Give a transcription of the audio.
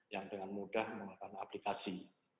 yang dengan mudah menggunakan aplikasi